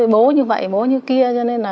bố như vậy bố như kia cho nên là